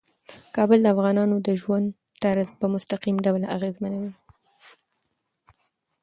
کابل د افغانانو د ژوند طرز په مستقیم ډول اغېزمنوي.